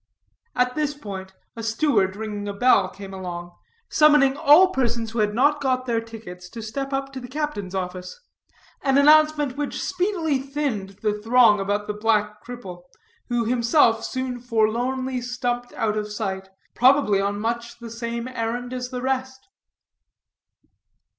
At this point, a steward ringing a bell came along, summoning all persons who had not got their tickets to step to the captain's office; an announcement which speedily thinned the throng about the black cripple, who himself soon forlornly stumped out of sight, probably on much the same errand as the rest.